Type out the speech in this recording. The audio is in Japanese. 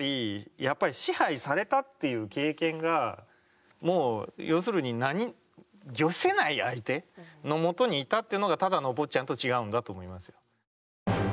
やっぱり支配されたっていう経験がもう要するに何御せない相手のもとにいたっていうのがただのお坊ちゃんと違うんだと思います。